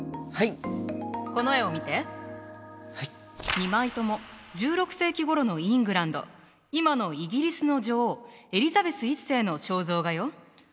２枚とも１６世紀ごろのイングランド今のイギリスの女王エリザベス１世の肖像画よ。